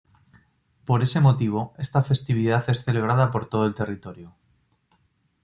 Por ese motivo, esta festividad es celebrada por todo el territorio.